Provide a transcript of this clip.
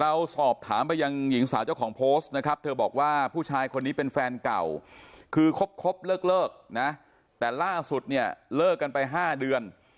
เราสอบถามไปยังหญิงสาวเจ้าของโพสต์นะครับเธอบอกว่าผู้ชายคนนี้เป็นแฟนเก่าคือคบเลิกนะแต่ล่าสุดเนี่ยเลิกกันไป๕เดือน